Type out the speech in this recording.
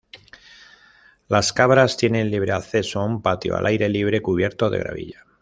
Las cabras tienen libre acceso a un patio al aire libre cubierto de gravilla.